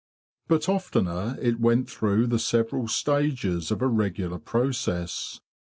But oftener it went through the several stages of a regular process.